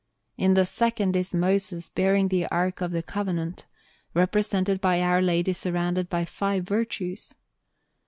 In the second is Moses bearing the Ark of the Covenant, represented by Our Lady surrounded by five Virtues.